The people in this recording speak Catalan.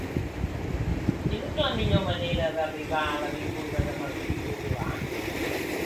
Quina és la millor manera d'arribar a l'avinguda de Martí-Codolar?